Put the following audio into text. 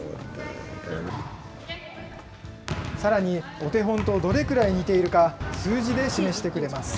さらに、お手本とどれくらい似ているか、数字で示してくれます。